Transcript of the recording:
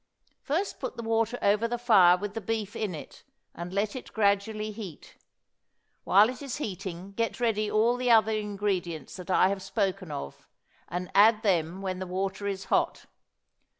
First put the water over the fire with the beef in it, and let it gradually heat; while it is heating get ready all the other ingredients that I have spoken of, and add them when the water is hot.